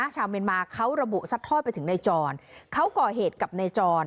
ชาวเมียนมาเขาระบุซัดทอดไปถึงนายจรเขาก่อเหตุกับนายจร